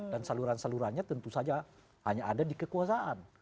dan saluran salurannya tentu saja hanya ada di kekuasaan